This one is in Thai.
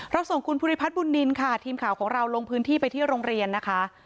ส่งคุณภูริพัฒน์บุญนินค่ะทีมข่าวของเราลงพื้นที่ไปที่โรงเรียนนะคะ